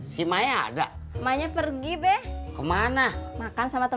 sampai jumpa lagi comprehend ganteng